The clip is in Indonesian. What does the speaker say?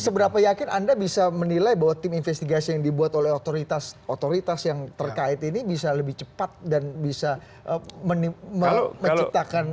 seberapa yakin anda bisa menilai bahwa tim investigasi yang dibuat oleh otoritas otoritas yang terkait ini bisa lebih cepat dan bisa menciptakan